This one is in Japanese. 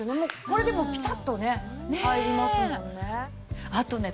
これでもうピタッとね入りますもんね。